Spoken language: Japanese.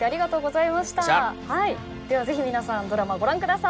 ではぜひ皆さんドラマご覧ください。